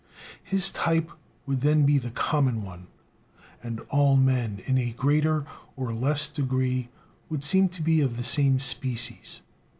His type would then be the common one, and all men, in a greater or less degree, would seem to be of the same "species."